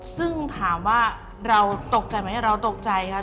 ซึ่งถามว่าเราตกใจไหมเราตกใจค่ะ